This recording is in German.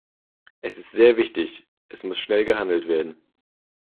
Es ist sehr wichtig, es muss schnell gehandelt werden.